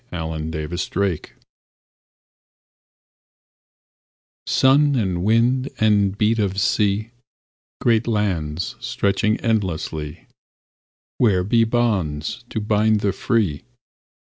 ^s ADVENTURE Sun and wind and beat of sea, Great lands stretching endlessly. . Where be bonds to bind the free?